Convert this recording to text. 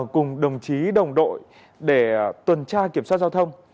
cùng đồng chí đồng đội để tuần tra kiểm soát giao thông